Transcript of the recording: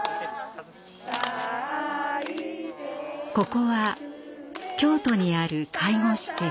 ここは京都にある介護施設。